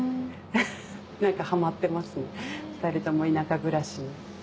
何かハマってますね２人とも田舎暮らしに。